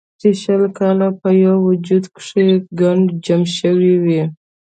چې شل کاله پۀ يو وجود کښې ګند جمع شوے وي